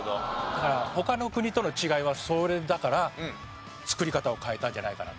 だから他の国との違いはそれだから作り方を変えたんじゃないかなと。